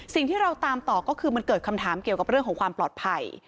สิ่งที่เราตามต่อก็คือมันเกิดคำถามเกี่ยวกับเรื่องของความปลอดภัย